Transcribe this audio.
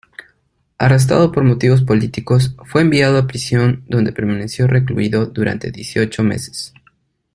Arrestado por motivos políticos, fue enviado a prisión, donde permaneció recluido durante dieciocho meses.